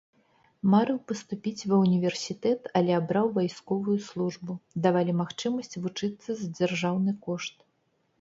Марыў паступіць ва ўніверсітэт, але абраў вайсковую службу, давалі магчымасць вучыцца за дзяржаўны кошт.